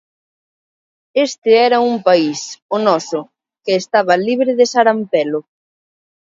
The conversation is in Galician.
Este era un país, o noso, que estaba libre de sarampelo.